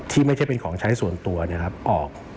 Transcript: ที่ไม่ใช่เป็นของใช้ส่วนตัวนะครับออก